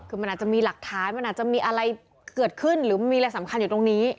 คือมันอาจจะมีหลักฐานมันอาจจะมีอะไรเกิดขึ้นหรือมีอะไรสำคัญอยู่ตรงนี้